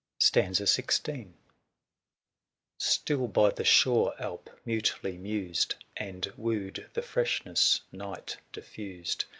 XVI. j>? >oi4 • Still by the shore Alp mutely mused. And wooed the freshness Night diffused.